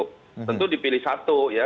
tentu dipilih satu ya